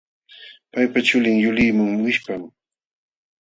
Paypa chulin yuliqmun wishpam.